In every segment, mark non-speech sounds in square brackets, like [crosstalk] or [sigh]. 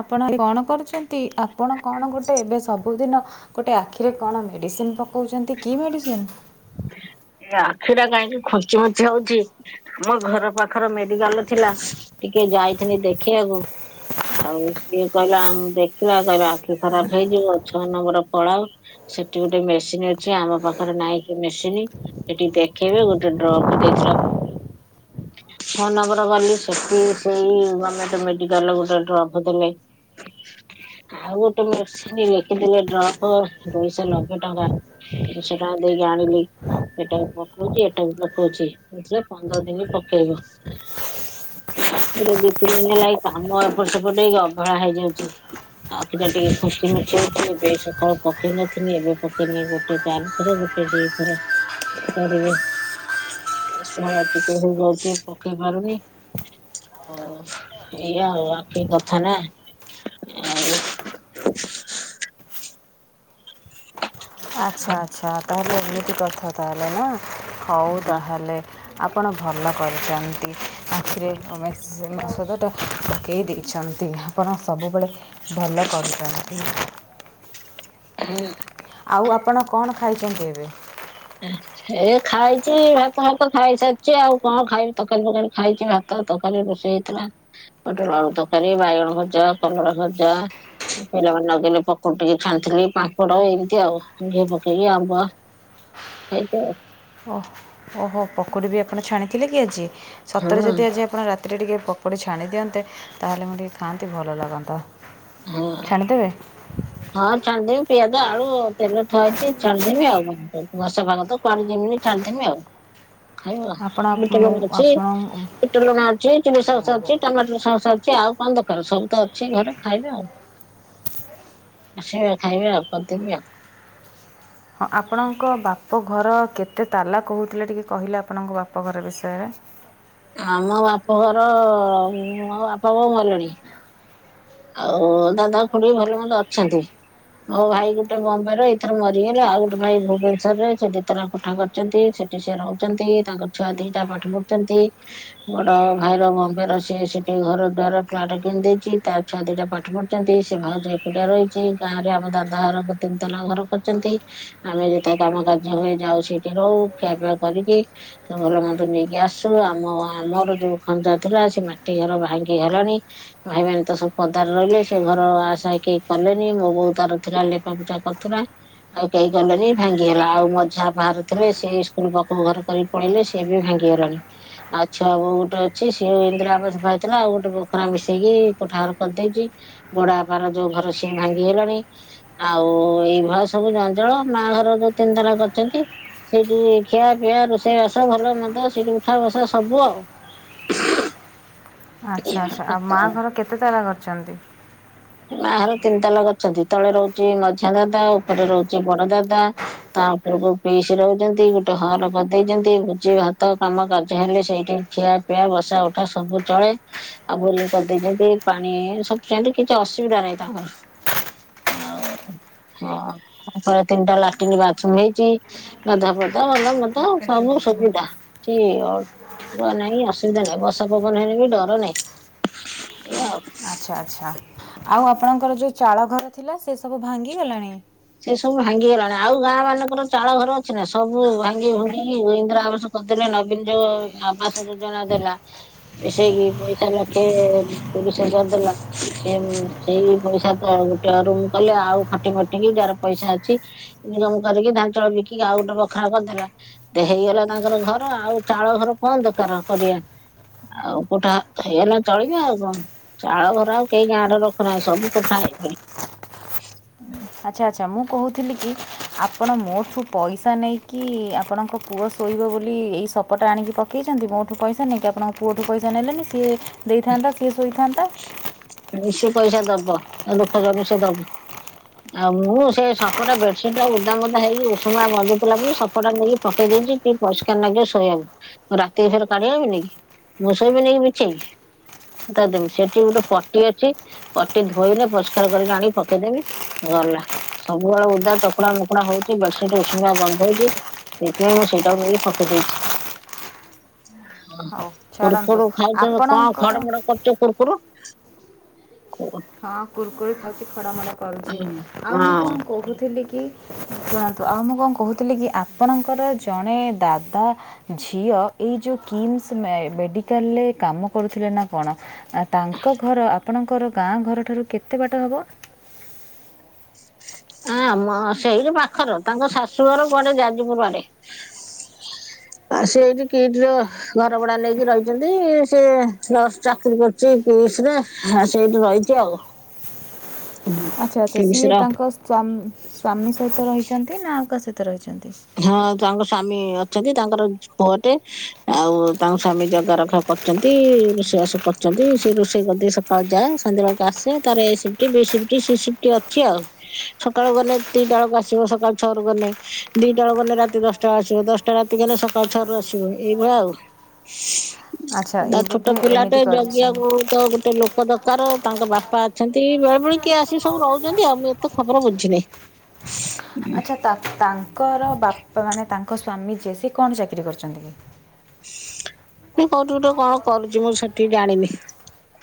ଆପଣ କଣ କରୁଛନ୍ତି? ଆପଣ କଣ ଗୋଟେ ଏବେ ଶ କେଉଁଦିନ ଗୋଟେ ଆଖିରେ କଣ ମେଡିସିନ ପକାଉଛନ୍ତି। କି ମେଡିସିନ? ଏ ଆଖି ଟା କାହିଁକି ଖଞ୍ଚି ମଞ୍ଚି ହଉଛି। ମୋ ଘର ପାଖର ମେଡିକାଲ ଥିଲା। ଟିକେ ଯାଇଥିଲି ଦେଖିବାକୁ। ଆଉ ସିଏ କହିଲା ଦେଖିବା କହିଲା। ଖରାପ ହେଇଯିବ ଛଅ ନମ୍ବର ପଳାଉ। ସେଠି ଗୋଟେ ମେସିନ୍ ଅଛି। ଆମ ପାଖରେ ନାଇଁ। ମେସିନ୍ ସେଠିକି ଦେଖେଇବେ। ଗୋଟେ ଡ୍ରପ ଦେଇଥିଲା। ଫୋନ ନମ୍ବର ଗଲି ସେଠି ସେଇ ଗମେଟ ମେଡିକାଲ ଗୋଟେ ଡ୍ରପ ଦେଲେ। [inaudible] ଆଉ ଗୋଟେ ମେସିନ ଲେଖିଦିବ ଡ୍ରପ ଦୁଇଶହ ଲବେ ଟଙ୍କା। ଦୁଇଶ ଟଙ୍କା ଦେଇକି ଆଣିଲି। ସେଟା ପକଉଛି ଏଟା ବି ପକଉଛି। ସେଥିରେ ପନ୍ଦର ଦିନ ପକେଇବ। ଏଇ ଦି ତିନି ଦିନି ହେଲା କାମ ଏପଟ ସେପଟ ହେଇକି ଅବହଳା ହେଇଯାଉଛି। ଆଖୀ ଟା ଟିକେ ଖୁଞ୍ଚି ମୁଞ୍ଚି ହଉଛି। ଏବେ ସକାଳୁ ପକେଇ ନଥିଲି। ଏବେ ପକେଇନି ଗୋଟେ ଚାରିଥରେ। ସେଇଥର କରିବ। ହେଳା ଟିକେ ହେଇଯାଉଛି ପକେଇ ପାରୁନି। ହଉ ଏଇଆ ଆଉ ଆଖି କଥା ନା। ଆଉ। ଆଚ୍ଛା ଆଚ୍ଛା ତାହେଲେ ଏମିତି କଥା ତାହେଲେ ନା। ହଉ ତାହେଲେ। ଆପଣ ଭଲ କରିଛନ୍ତି। ଆଖିରେମେ ସେ ଔଷଧଟା ପକାଇ ଦେଇଛନ୍ତି। ଆପଣ ସବୁବେଳେ ଭଲ କରୁଥାନ୍ତି। ହୁଁ। ଆଉ ଆପଣ କଣ ଖାଇଛନ୍ତି ଏବେ? ଏ ଖାଇଛି ଭାତ ଭାତ ଖାଇସାରିଛି। ଆଉ କଣ ଖାଇବି? ତରକାରୀ ପକାରୀ ଖାଇଛି ଭା ତରକାରୀ ରୋଷେଇ ହେଇଥିଲା। ପୋଟଳ ଆଳୁ ତରକାରୀ ବାଇଗଣ ଭଜା କଲରା ଭଜା। ପିଲାମାନେ ନଗେଇଲେ ପକୁଡି ଟିକି ଛାଣିଥିଲି। ପାମ୍ପଡ ଏମିତି ଆଉ। ଘିଅ ପକେଇକି ଆମ୍ବ। ଖାଇଛ। ଓହୋ ଓହୋ ପକୁଡି ବି ଆପଣ ଛାଣିଥିଲେ କି ଆଜି। ହଁ ସତରେ ଯଦି ଆଜି ଆପଣ ରାତିରେ ଟିକି ପକୋଡି ଛାଣି ଦିଅନ୍ତେ। ତାହେଲେ ମୁଁ ଟିକି ଖାଆନ୍ତି ଭଲ ଲାଗନ୍ତା। ହଁ। ଛାଣିଦେବେ। ହଁ ଛାଣିଦେମି। ପିଆଜ ଆଳୁ ତେଲ ଥୁଆ ହେଇଚି ଛାଣିଦେମି ଆଉ କଣ କରିମି ବର୍ଷା ପାଗ ତ। [unintelligible] ଛାଣିଦେମି ଆଉ। ଖାଇବ ଆପଣ ଆଉ। ମୁଁ ବିଟଲୁଣ ଅଛି। ଆପଣ ହଁ ବିଟଲୁଣ ଅଛି ଚିଲିସସ୍ ଅଛି ଟମାଟରସସ୍ ଅଛି ଆଉ କଣ ଦକାର ସବୁ ତ ଅଛି ଘରେ। ଖାଇବେ ଆଉ। ସେଇଆ ଖାଇବେ ଆଉ କରିଦେବି ଆଉ। ହଁ ଆପଣଙ୍କ ବାପଘର କେତେ ତାଲା କହୁଥିଲେ ଟିକେ କହିଲେ ଆପଣଙ୍କ ବାପଘର ବିଷୟରେ। ଆମ ବାପ ଘର ମୋ ବାପା ବୋଉ ମଲେଣି। ଆଉ ଦାଦା ଖୁଡି ଭଲ ମନ୍ଦ ଅଛନ୍ତି। ମୋ ଭାଇ ଗୋଟେ ବମ୍ବେ ରେ ଏଇଥର ମରିଗଲା। ଆଉ ଗୋଟେ ଭାଇ ଭୁବନେଶ୍ୱର ରେ ସେ ଦି ତାଲା କୋଠା କରିଚି। ଯଦି ସେଠି ସେ ରହୁଛନ୍ତି ତାଙ୍କ ଛୁଆ ଦିଟା ପାଠ ପଢୁଛନ୍ତି। ବଡ ଭାଇର ବମ୍ବେ ର ସିଏ ସେଠି ଘର ଦୁଆର ଫ୍ଲାଟ କିଣି ଦେଇେଇଛି ତା ଛୁଆ ଦିଟା ପାଠ ପଢ଼ୁଛନ୍ତି। ସେ ଭାଉଜ ଏକୁଟିଆ ରହିଛି। ଗାଁରେ ଆମ ଦାଦା ଘର ତିନି ତାଲା ଘର କରିଛନ୍ତି। ଆମେ ଯେତେ କାମ କାର୍ଯ୍ୟ କରି ଯାଉ ସେଇଠି ରହୁ ଖିଆପିଆ କରିକି। ତ ଭଲ ମନ୍ଦ ନେଇକି ଆସୁ। ଆମ ଆମର ଯୋଉ ଖଞ୍ଜା ଥିଲା ସେ ମାଟି ଘର ଭାଙ୍ଗି ଗଲାଣି। ଭାଇମାନେ ତ ସବୁ ପଦାରେ ରହିଲେ ସେ ଘର ଆସା କେହି କଲେନି ମୋ ବୋଉ ତାର ଥିଲା ଲେପାପୋଛା କରୁଥିଲା। ଆଉ କେହି ଗଲେନି ଭାଙ୍ଗି ହେଲା ଆଉ ମଝିଆଁ ବାହାରୁ ଥିଲା ସେ ସ୍କୁଲ ପାଖକୁ ଘର କରିକି ପଲେଇଲେ ସିଏ ବି ଭାଙ୍ଗିଗଲାଣି। ଛୁଆ ବୋହୁ ଗୋଟେ ଅଛି ସିଏ ଇନ୍ଦିରା ଆବାସ ପାଇଥିଲା ଆଉ ଗୋଟେ ଵଖରା ମିଶେଇକି କୋଠାଘର କରିଦେଇଛି ବଡବାପାର ଯୋଉ ଘର ସିଏ ଭାଙ୍ଗିଗଲାଣି। ଆଉ ଏଇଭଳିଆ ସବୁ ଜଞ୍ଜାଳ ମା ଘର ଯୋଉ ତିନ୍‌‌ ତାଲା କରିଛନ୍ତି। ସେଇଠି ଖିଆ ପିଆ ରୋଷେଇବାସ ଭଲ ମନ୍ଦ ସେଠି ଉଠା ବସା ସବୁ ଆଉ। ଆଚ୍ଛା ଏଇଭଳିଆ ଆଚ୍ଛା ଆଉ କଥା ମାଆଘର କେତେ ତାଲା କରିଛନ୍ତି? ମାଆ ଘର ତିନ୍ ତାଲା କରିଛନ୍ତି ତଳେ ରହୁଛି ମଝିଆଁ ଦାଦା ଉପରେ ରହୁଛି ବଡ ଦାଦା। ତା ଉପରୁକୁ ପିଇସିି ରହୁଛନ୍ତି, ଗୋଟେ ହଲ୍ କରିଦେଇଛନ୍ତି, ଭୋଜି ଭାତ କାମ କାର୍ଯ୍ୟ ହେଲେ ସେଇଠି ଖିଆ ପିଆ ବସା ଉଠା ସବୁ ଚଳେ ଆଉ ବୋରିଙ୍ଗ କରିଦେଇଛନ୍ତି ପାଣି ସବୁ ସେମିତି କିଛି ଅସୁବିଧା ନାହିଁ ତାଙ୍କର ଆଉ ହଁ ଉପରେ ତିନିଟା ଲାଟିନ୍ ବାଥରୁମ୍‌ହେଇଛି, ଗଧୁଆ ପାଧୁଆ ଭଲ ମନ୍ଦ ସବୁ ସୁବିଧା। କି ଅଡୁଆ ନାଇଁ ଅସୁବିଧା ନାଇଁ ବର୍ଷା ପବନ ହେଲେ ବି ଡର ନାଇଁ। ଏଇଆ ଆଉ। ଆଚ୍ଛା ଆଚ୍ଛା ଆଉ ଆପଣଙ୍କର ଯୋଉ ଚାଳ ଘର ଥିଲା ସେ ସବୁ ଭାଙ୍ଗିଗଲାଣି। ସେ ସବୁ ଭାଙ୍ଗି ଗଲାଣି ଆଉ ଗାଁ ମାନଙ୍କର ଚାଳ ଘର ଅଛି ନା ସବୁ ଭାଙ୍ଗି ଭୁଙ୍ଗିକି ଇନ୍ଦ୍ରାଆବାସ ମତେ ଯୋଉ ନବୀନ୍‌ ଯୋଉ ଆବାସ ଯୋଜନା ଦେଲା। ମିସେଇକି ପଇସା ଲକ୍ଷେ ତିରିଶ ହଜାର ଦେଲା। ଏମ୍‌ ସେଇ ପଇସା ତ ଗୋଟାଏ ରୁମ କଲେ ଆଉ ଖଟି ଫଟି କି ଯାହାର ପଇସା ଅଛି ଇନିକମ କରିକି ଧାାନ ଚାଉଳ ବିକିକି ଆଉ ଗୋଟେ ବଖରା କରଥେଲା। ଦେ ହେଇଗଲା ତାଙ୍କର ଘର ଆଉ ଚାଳ ଘର କଣ ଦକାର କରିବା। ଆଉ କୋଠା ହେଇଗଲା ଚଳିବେ ଆଉ କଣ। ଚାଳ ଘର ଆଉ କେଇ ଗାଁରେ ରଖୁନାଆନ୍ତି ସବୁ କୋଠା। [unintelligible] ଆଚ୍ଛା ଆଚ୍ଛା ମୁଁ କହୁଥିଲି କି ଆପଣ ମୋଠୁ ପଇସା ନେଇକି ଆପଣଙ୍କ ପୁ ପୁଅ ଶୋଇବ ବୋଲି ଏଇ ସପଟା ଆଣିକି ପକଇଛନ୍ତି ମୋଠୁ ପଇସା ନେଇକି ଆପଣଙ୍କ ପୁଅଠୁ ପଇସା ନେଲେନି ସିଏ ଦେଇଥାନ୍ତା ସିଏ ସୋଇଥାନ୍ତା। ମିଶି ପଇସା ଦବ ତା ବୋପା ଘରୁକୁ ସେ ଦବ ଆଉ ମୁଁ ସେ ସପଟା ବେଡସିଟ୍ ଟା ଓଦା ମୋଦା ହେଇକି ଉଷୁମା ଗନ୍ଧଉଥିଲା ବୋଲି ସପ୍ କପଡା କୁ ନେଇକି ପକେଇ ଦେଇଚି ଟିକେ ପରିଷ୍କାର ଲାଗିବ ଶୋଇବାକୁ ମୁଁ ରାତି ଭିତରେ କାଢି ଆଣିବିନି କି। ମୁଁ ସୋଇବିନି କି ବିଛେଇକି। ତା ଦେମି ସେଠି ଗୋଟେ ପଟି ଅଛି। ପଟି ଧୋଇଲେ ପରିଷ୍କାର କରିକି ଆଣିକି ପକେଇଦେବି ଗଲା। ସବୁବେଳେ ଓଦା ଚକୁଡା ମକୁଡା ହୋଉଚି ବେଡସିଟ୍ ଉଷୁମିଆ ଗନ୍ଧୋଉଚି। ସେଇଥିପାଇଁ ମୁଁ ସେଇଟା ନେଇକି ପକେଇ ଦେଇଚି। ହଉ ଛାଡ଼ନ୍ତୁ କର୍ପୁର ଖାଇଚ ଙ୍କ ଖଡ ଆପଣଙ୍କର ମଡ କରଚ କୁରକୁରୁ। ହଁ କୁୁରକୁରି ଖାଉଚି ଖଡ଼ ମଡ଼ କରୁଚି ଆଉ ମୁଁ କଣ କିହୁଥିଲି କି ଶୁଣନ୍ତୁ ଆଉ ମୁଁ ଙ୍କ କହୁଥିଲି କି ଆପଣଙ୍କର ଜଣେ ଦାଦା ଝିଅ ଏଇ ଯୋଉ କିମ୍ସ୍ ମେ ମେଡିକାଲରେ କାମ କରୁଥିଲେ ନା କଣ ଆଉ ତାଙ୍କ ଘର ଆପଣଙ୍କର ଗାଁ ଘରଠାରୁ କେତେ ବାଟ ହବ? ଆ ଆମ ସେଇଠି ପାଖର ତାଙ୍କ ଶାଶୁଘର କୁଆଡେ ଯାଜପୁର ଆଡେ। ଆଉ ସେଇଠି କିଟ୍ ର ଘର ଭଡା ନେଇକି ରଇଚନ୍ତି ସେ ନର୍ସ ଚାକିରି କରୁଚି କିସ୍‌ରେ ହଁ ସେଇଠୁ ରଇଚି ଆଉ ହୁଁ କିମ୍ସର ସ୍ଵମ ସ୍ୱାମୀ ସହିତ ରହିଛନ୍ତି ନା ଆଉ କାହା ସହିତ ରହିଛନ୍ତି? ହଁ ତାଙ୍କ ସ୍ଵାମୀ ଅଛନ୍ତି ତାଙ୍କର ପୁଅଟେ ଆଉ ତାଙ୍କ ସ୍ୱାମୀ ଜଗା ରଖା କର ଚନ୍ତି ରୋଷେଇବାସ କରୁଚନ୍ତି ସେ ରୋଷେଇ କରିଦେଇକି ସକାଳୁ ଯାଏ ସନ୍ଧ୍ୟାବେଳକୁ ଆସେ ତାର ଏଇ ସିପ୍ କି ବିସିପିଟି ସିସିପିଟି ଅଛି ଆଉ ସକାଳୁ ଗନେ ଦିଟା ବେଳକୁ ଆସିବ ସକାଳୁ ଛଅରୁ ଗନେ ଦିଟାବେଳୁକୁ ଗନେ ରାତି ଦଶଟାରେ ଆସିବ ଦଶଟା ରାତିକି ଗନେ ସକାଳୁ ଛଅରୁ ଆସିବ ଏଇଭଳିଆ ଆଉ। ଆଚ୍ଛା ଏ ତା ବୋଧେ ଛୋଟ ପିଲାଟେ ଏମିତି କରିଛନ୍ତି ଜଗିଆକୁ ତ ଗୋଟେ ଲୋକ ଦକାର ତାଙ୍କ ବାପା ଅଛନ୍ତି ବେଳେ ବେଳେ କିଏ ଆସିକି ସବୁ ରଉଚନ୍ତି ଆଉ ମୁଁ ଏତେ ଖବର ବୁଝିନେଇ। [inaudible] ଆଚ୍ଛା ତା ତାଙ୍କର ବାପା ମାନେ ତାଙ୍କ ସ୍ଵାମୀ ଯିଏ ସିଏ କଣ ଚାକିରି କରିଚନ୍ତି କି? ସିଏ କୋଉଠି ଗୋଟେ କଣ କରୁଚି ମୁଁ ସଠିକ୍ ଜାଣିନି।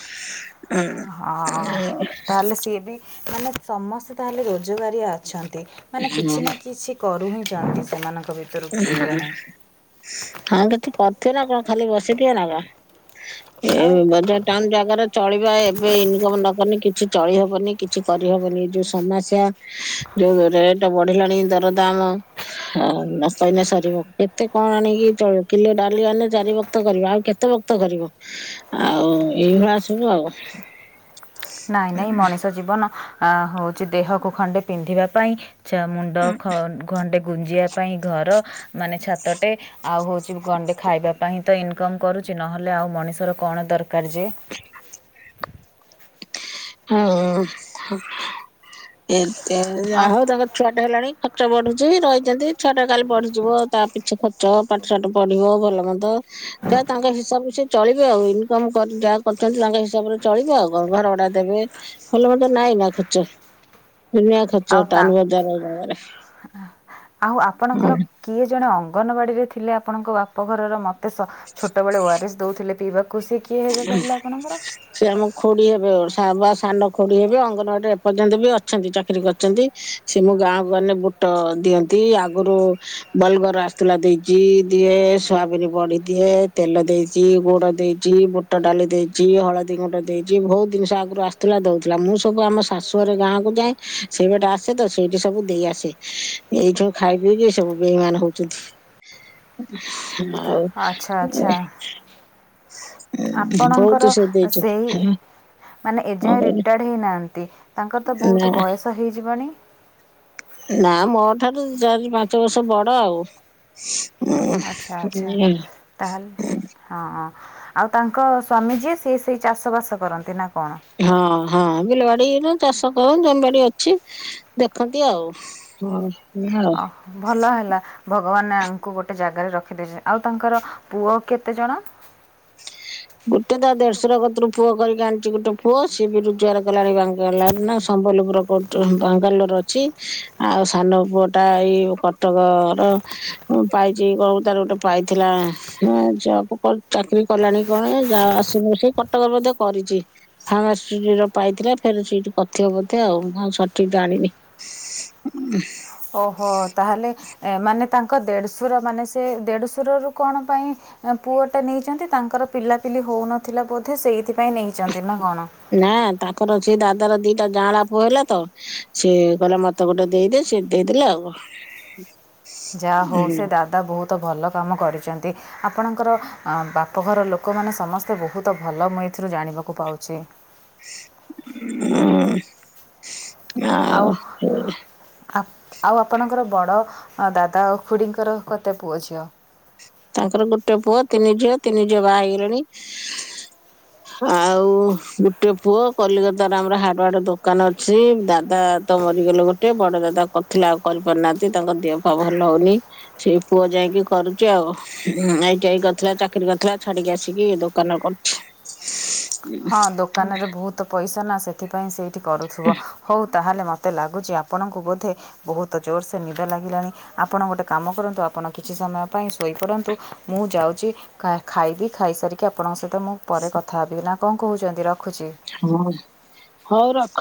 ଉଁ ହଁ ଉଁ। ତାହେଲେ ସିଏ ବି ମାନେ ସମସ୍ତେ ତାହେଲେ ରୋଜଗାରିଆ ଅଛନ୍ତି ମାନେ କିଛି ନା କିଛି କରୁ ହିଁ ଯାନ୍ତି ସେମାନଙ୍କ ଭିତ ଉଁ ହୁଁ ହଁ କିଛି କରିଥିବେ ନା କଣ ଖାଲି ବସିଥିବେ ନା କଣ? ଆଉ ଏଇ ବୋଧେ ଟାଉନ୍ ଜାଗାରେ ଚଳିବା ଏବେ ଇନିକମ ନକନେ କିଛି ଚଳିହବନି କିଛି କରିହବନି ଏଇ ଯୋଉ ସମାସ୍ୟାଟା ଯୋଉ ରେଟ ବଢିଲାଣି ଦରଦାମ ଆଉ ଅଇନେ ସରିବ କେତେ କଣ ଆଣିକି ଚଳି କିଲେ ଡାଲି ଆଇନେ ଚାରି ବକ୍ତ କରିବ ଆଉ କେତେ ବକ୍ତ କରିବ? ଆଉ ଏଇଭଳିଆ ସବୁ ଆଉ। ନାଇଁ ନାଇଁ ମଣିଷ ଜୀବନ ଆ ହଉଚି ଦେହକୁ ଖଣ୍ଡେ ପିନ୍ଧିବା ପାଇଁ ଚ୍ଛା ମୁଣ୍ଡ ଖନ୍ ଗଣ୍ଡେ ଗୁଞ୍ଜିଆ ପାଇଁ ଘର ମାନେ ଛାତ ଗୋଟେ ଆଉ ହଉଚି ଗଣ୍ଡେ ଖାଇବା ପାଇଁ ତ ଇନକମ୍ କରୁଚି ନହେଲେ ଆଉ ମଣିଷର କଣ ଦରକାର ଯେ? ହଁ ଏତେ ଯା ଆଉ ହଉ ତାଙ୍କର ଛୁଆଟେ ହେଲାଣି ଖର୍ଚ୍ଚ ବଢୁଚି ରହିଚନ୍ତି ଛୁଆଟା କାଲି ବଢିଯିବ ତା ପିଛା ଖର୍ଚ୍ଚ ପାଠ ଶାଠ ପଢ଼ିବ ଭଲ ମନ୍ଦ ତ ତାଙ୍କ ହିସାବରେ ସିଏ ଚଳିବେ ଆଉ ଇନକମ କର ଯାହା କରଚନ୍ତି ତାଙ୍କ ହିସାବରେ ଚଳିବେ ଆଉ। ଘରବଡା ଦେବେ ଭଲମନ୍ଦ ନାଇଁ ନା ଖର୍ଚ୍ଚ ଦୁନିଆ ଆଉ ଖର୍ଚ୍ଚଟା ତାଙ୍କ ଅନୁଭବ ଜାର ଜାଗାରେ ଆଉ ଆପଣଙ୍କର କିଏ ଜଣେ ଅଙ୍ଗନବାଡ଼ିରେ ଥିଲେ ଆପଣଙ୍କ ବାପଘରର ମ ଶ ଛୋଟବେଳେ ଓଆରେସ୍ ଦେଉଥିଲେ ପିଇବାକୁ ସେ କିଏ ହେବେ କହିଲେ ଆପଣଙ୍କର? ସିଏ ଆମ ଖୁଡି ହେବେ ସବା ସାନ ଖୁଡି ହେବେ ଅଙ୍ଗନବାଡିରେ ଏପର୍ଯ୍ୟନ୍ତ ବି ଅଛନ୍ତି ଚାକିରୀ କରିଚନ୍ତି। ସିଏ ମୋ ଗାଁକୁ ଗନେ ବୁଟ ଦିଅନ୍ତି ଆଗୁରୁ ବଲଗୋର ଆସୁଥିଲା ଦେଇଚି ଦିଏ ସୋୟାବିନ ବଢି ଦିଏ ତେଲ ଦେଇ ଚି ଗୁଡ ଦେଇଚି, ବୁ ବୁଟ ଡାଲି ଦେଇଚି, ହଳଦୀ ଗୁଣ୍ଡ ଦେଇଚି ଭଉତ ଦିନିଷ ଆଗୁରୁ ଆସୁଥିଲା ଦଉଥିଲା ମୁଁ ସବୁ ଆମ ଶାଶୁଘରେ ଗାଁ କୁ ଯାଏ ସେଇ ବାଟେ ଆସେ ତ ସେଇଠି ସବୁ ଦେଇ ଆସେ ଏଇଠୁ ଖାଇ ପିଇକି ସବୁ ବେଇମାନ ହଉଚନ୍ତି। ଆଉ ଆଚ୍ଛା ଆଚ୍ଛା ଏ ଆପଣଙ୍କର ସେ ଦେଇଛନ୍ତି ସେଇ ମାନେ କଣ ଏଯାଏ କହିଲେ ରିଟାୟାର୍ଡ ହେଇନାହାନ୍ତି ତାଙ୍କର ତ ନା ବହୁତ ବୟସ ହେଇଯିବଣି? ନା ମୋ ଠାରୁ ଚାରି ପାଞ୍ଚ ବର୍ଷ ବଡ ଆଉ। ଆଚ୍ଛା ଆଚ୍ଛା। ଉଁ ତାହେଲ ହଁ ହଁ ଆଉ ତାଙ୍କ ସ୍ୱାମୀ ଯିଏ ସିଏ ସେଇ ଚାଷବାସ କରନ୍ତି ନା କଣ? ହଁ ହଁ ବିଲବାଡି ନୁଅ ଚାଷ ତ ଜମିବାଡି ଅଛି ଦେଖନ୍ତି ଆଉ। ଗଣୁଚି ଆ ଭଲ ହେଲା ଭଗବାନ୍‌ ଆଙ୍କୁଗୋଟେ ଜାଗାରେ ରଖିଦେଇଛନ୍ତି ଆଉ ତାଙ୍କର ପୁଅ କେତେ ଜଣ? [inaudible] ତେ ତା ଦେଢସୁର କତରୁ ପୁଅ କରିକି ଆଣିଛି ଗୋଟେ ପୁଅ ସିଏ ବି ରୋଜଗାର କଲାଣି ବାଙ୍ଗାଲୋର ନା ସମ୍ବଲପୁର କୋଉ ଟୁହୁ ବାଙ୍ଗାଲୋର ଅଛି ଆଉ ସାନ ପୁଅ ଟା ଏଇ କଟକ ର ମୁଁ ପାଇଚି କଇବ ତାର ଗୋଟେ ପାଇଥିଲା ହେ ଜବ କରୁ ଚାକିରି କଲାଣି। କଣ ଏ ଯା ଆସିବୁ ସେଇ କଟକ ବୋଧେ କରିଚି? ଫମାସ୍ ସିରି ର ପାଇଥିଲା ଫେର ସେଇଠି କଥିବ ବୋଧେ ଆଉ ମୁଁ ଆଉ ସଠିକ ଜାଣିନି। [inaudible] ଓହୋ ତାହେଲେ ଏ ମାନେ ତାଙ୍କ ଦେଢଶୁର ମାନେ ସେ ଦେଢ଼ଶୁରରୁ କଣ ପାଇଁ ପୁଅଟା ନେଇଚନ୍ତି ତାଙ୍କର ପିଲାପିଲି ହୋଉନଥିଲା ବୋଧେ ସେଇଥିପାଇଁ ନେଇଚନ୍ତି ନା କଣ? ନା ତାପର ଅଛି ଦାଦାର ଦିଟା ଜାଆଁଳା ପୁଅ ହେଲା ତ ସିଏ କଇଲା ମତେ ଗୋଟେ ଦେଇଦେ ସେ ଦେଇଦେଲା ଆଉ। ଯାହା ହଉ ହୁଁ ସେ ଦାଦା ବହୁତ ଭଲ କାମ କରିଛନ୍ତି। ଆପଣଙ୍କର ଆ ବାପଘର ଲୋକମାନେ ସମସ୍ତେ ବହୁତ ଭଲ ମୁଁ ଏଥିରୁ ଜାଣିବାକୁ ପାଉଛି। [unintelligible] ଆ ଆଉ ଆପଣଙ୍କର ବଡ଼ ଦାଦା ଓ ଖୁଡ଼ିଙ୍କର କେତେ ପୁଅ ଝିଅ? ତାଙ୍କର ଗୋଟେ ପୁଅ ତିନି ଝିଅ ତିନି ଝିଅ ବାହା ହେଇଗଲେଣି। ଆଉ ଗୋଟେ ପୁଅ କଲିକତାରେ ଆମର ହାଡ ୱ୍ୱାଡ ଦୋକାନ ଅଛି ଦାଦା ତ ମରିଗଲେ ଗୋଟେ ବଡ ଦାଦା କରୁଥିଲେ ଆଉ କରିପାରୁନାହାନ୍ତି ତାଙ୍କ ଦିହ ପା ଭଲ ହଉନି। ସେଇ ପୁଅ ଯାଇକି କରୁଚି ଆଉ। ଏଇ ଟା ଇ କରିଥିଲା ଚାକିରି କରିଥିଲା ଛାଡିକି ଆସିକି ଦୋକାନରେ କରୁଛି। ହଁ ଦୋକାନରେ ବହୁତ ପଇସା ନା ସେଥିପାଇଁ ସେଇଠି କରୁଥିବ ହଉ ତା ହେଲେ ମୋତେ ଲାଗୁଛି ଆପଣଙ୍କୁ ବୋଧେ ବହୁତ ଜୋରସେ ନିଦ ଲାଗିଲାଣି ଆପଣ ଗୋଟେ କାମ କରନ୍ତୁ ଆପଣ କିଛି ସମୟ ପାଇଁ ଶୋଇପଡ଼ନ୍ତୁ ମୁଁ ଯାଉଛି କାର୍ ଖାଇବି ଖାଇସାରିକି ଆପଣଙ୍କ ସହି ତ ମୁଁ ପରେ କଥା ହେବି ନା କଣ କହୁଛନ୍ତି ରଖୁଛି। ହଁ ହଉ ରଖ।